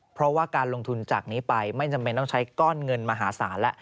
เพราะว่าการลงทุนจากนี้ไปไม่จำเป็นต้องใช้ก้อนเงินมหาศาลแล้ว